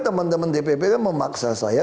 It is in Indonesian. teman teman dpp kan memaksa saya